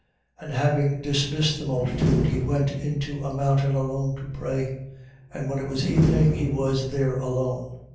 14:23. And having dismissed the multitude, he went into a mountain alone to pray. And when it was evening, he was there alone.